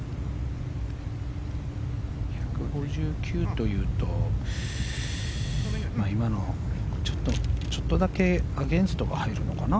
１５９というとちょっとだけアゲンストが入るのかな。